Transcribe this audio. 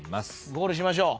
ゴールしましょう。